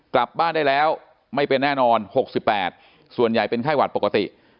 กลับบ้านได้แล้วไม่เป็นแน่นอน๖๘ส่วนใหญ่เป็นไข้หวัดปกติ